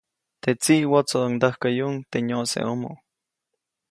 Te tsiʼ wotsodondäjkäyuʼuŋ teʼ nyoʼseʼomo.